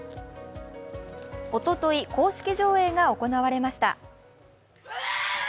おととい、公式上映が行われました